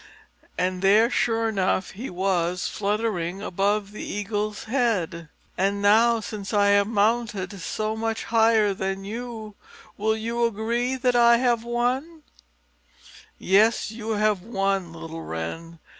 And there, sure enough, he was fluttering above the Eagle's head. "And now, since I have mounted so much higher than you, will you agree that I have won?" "Yes, you have won, little Wren.